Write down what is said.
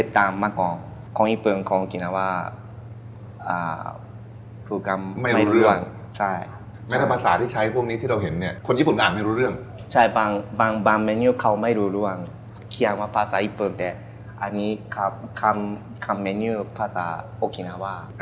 แตกต่างมากกว่า